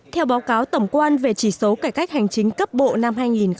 theo báo cáo tổng quan về chỉ số cải cách hành chính cấp bộ năm hai nghìn một mươi chín